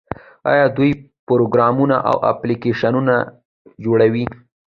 آیا دوی پروګرامونه او اپلیکیشنونه نه جوړوي؟